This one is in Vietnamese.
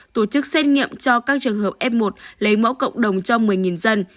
tổ chức xét nghiệm cho các trường hợp f một lấy mẫu cộng đồng cho một mươi dân